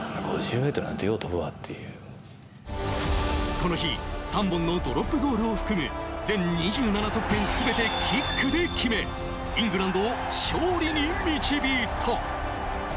この日、３本のドロップゴールを含む全２７得点、全てキックで決め、イングランドを勝利に導いた。